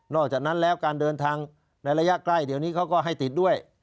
อกจากนั้นแล้วการเดินทางในระยะใกล้เดี๋ยวนี้เขาก็ให้ติดด้วย